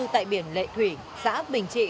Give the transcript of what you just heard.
tại biển lệ thủy xã bình trị